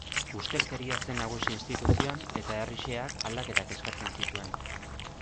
Ustelkeria zen nagusi instituzioan eta herri xeheak aldaketak eskatzen zituen.